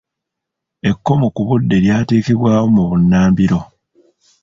Ekkomo ku budde lyateekebwawo mu bunnambiro.